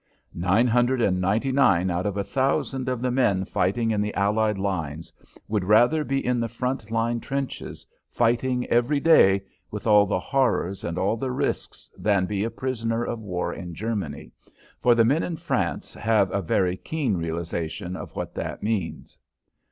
Nine hundred and ninety nine out of a thousand of the men fighting in the Allied lines would rather be in the front line trenches, fighting every day, with all the horrors and all the risks, than be a prisoner of war in Germany, for the men in France have a very keen realization of what that means.